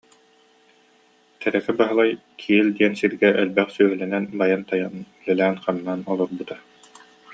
Тэрэкэ Баһылай Киил диэн сиргэ элбэх сүөһүлэнэн байан-тайан, үлэлээн-хамнаан олорбута